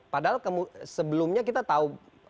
padahal sebelumnya kita tahu